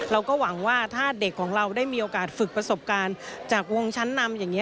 เราก็หวังว่าถ้าเด็กของเราได้มีโอกาสฝึกประสบการณ์จากวงชั้นนำอย่างนี้